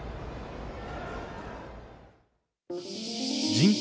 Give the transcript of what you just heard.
人口